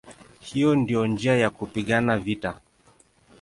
Hiyo ndiyo njia ya kupigana vita".